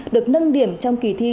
được nâng điểm trong kỳ thi